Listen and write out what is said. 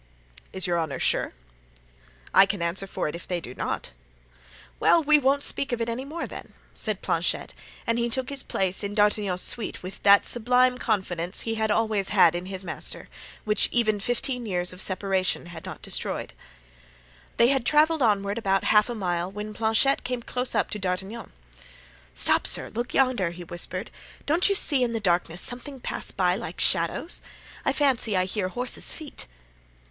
"Is your honor sure?" "I can answer for it they do not." "Well, we won't speak of it any more, then;" and Planchet took his place in D'Artagnan's suite with that sublime confidence he had always had in his master, which even fifteen years of separation had not destroyed. They had traveled onward about half a mile when Planchet came close up to D'Artagnan. "Stop, sir, look yonder," he whispered; "don't you see in the darkness something pass by, like shadows? I fancy I hear horses' feet."